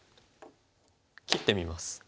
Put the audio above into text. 切ってみます。